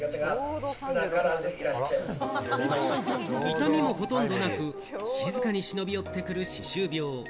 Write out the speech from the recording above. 痛みもほとんどなく、静かに忍び寄ってくる歯周病。